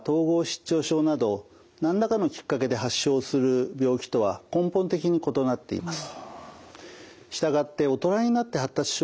失調症など何らかのきっかけで発症する病気とは根本的に異なっています。